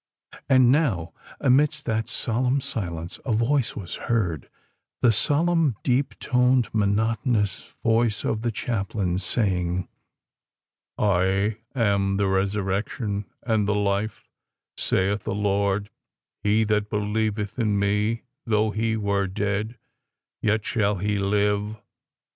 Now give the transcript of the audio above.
And now, amidst that solemn silence, a voice was heard,—the solemn, deep toned, monotonous voice of the chaplain, saying, "_I am the resurrection and the life, saith the Lord: he that believeth in me, though he were dead, yet shall he live.